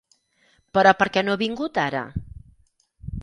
Però perquè no ha vingut ara?